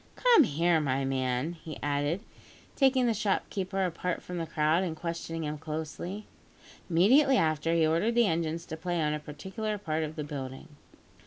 "Come here, my man," he added, taking the shopkeeper apart from the crowd, and questioning him closely. Immediately after, he ordered the engines to play on a particular part of the building.